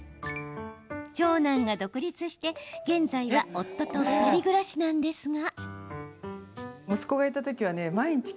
長男が独立して、現在は夫と２人暮らしなんですが。